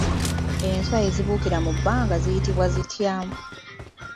Enswa ezibuukira mu bbanga ziyitibwa zitya?